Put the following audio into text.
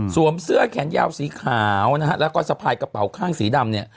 เสื้อแขนยาวสีขาวนะฮะแล้วก็สะพายกระเป๋าข้างสีดำเนี่ย